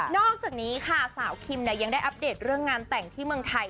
อกจากนี้ค่ะสาวคิมยังได้อัปเดตเรื่องงานแต่งที่เมืองไทย